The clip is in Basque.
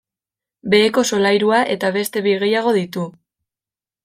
Beheko solairua eta beste bi gehiago ditu.